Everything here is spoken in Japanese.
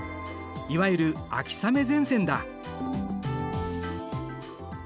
いわゆる秋雨前線だ。